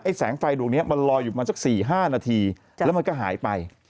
แสงไฟดวงนี้มันลอยอยู่ประมาณสัก๔๕นาทีแล้วมันก็หายไป